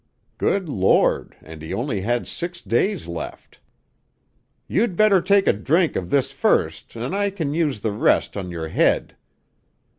Good Lord, and he had only six days left! "You'd better take a drink of this first an' I kin use the rest on your head."